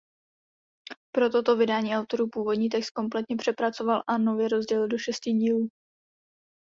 Pro toto vydání autor původní text kompletně přepracoval a nově rozdělil do šesti dílů.